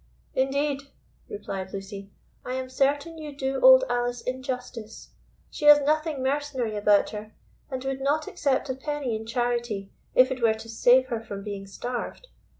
"Indeed," replied Lucy, "I am certain you do Old Alice injustice. She has nothing mercenary about her, and would not accept a penny in charity, if it were to save her from being starved.